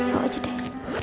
bawa aja deh